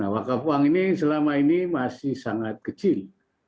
wakaf uang ini selama ini masih sangat kecil